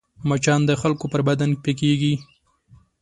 مچان د خلکو پر بدن پکېږي